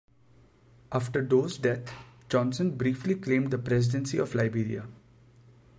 After Doe's death Johnson briefly claimed the presidency of Liberia.